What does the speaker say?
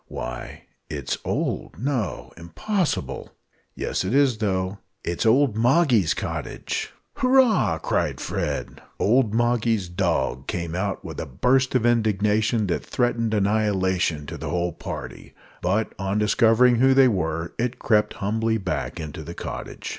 "Why, it's old no, impossible!" "Yes, it is, though it's old Moggy's cottage." "Hurrah!" cried Fred. Old Moggy's dog came out with a burst of indignation that threatened annihilation to the whole party; but, on discovering who they were, it crept humbly back into the cottage.